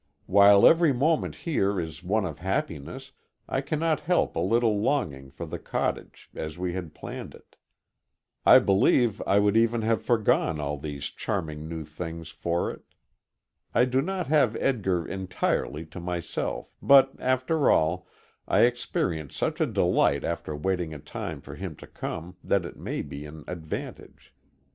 While every moment here is one of happiness, I cannot help a little longing for the cottage, as we had planned it. I believe I would even have foregone all these charming new things for it. I do not have Edgar entirely to myself, but after all, I experience such a delight after waiting a time for him to come, that it may be an advantage.